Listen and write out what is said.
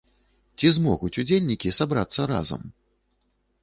Ці змогуць удзельнікі сабрацца разам?